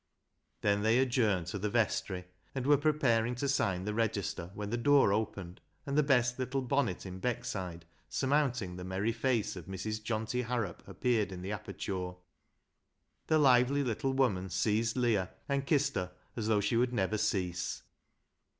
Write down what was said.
" Then they adjourned to the vestry, and were preparing to sign the register when the door opened, and the best little bonnet in Beckside, surmounting the merry face of Mrs. Johnty Harrop, appeared in the aperture. The loo BECKSIDE LIGHTS lively little woman seized Leah and kissed her as though she would never cease.